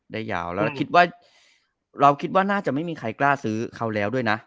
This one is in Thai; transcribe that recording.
แล้วเราคิดว่าน่าจะไม่มีใครกล้าซื้อเขาแล้วด้วยนะ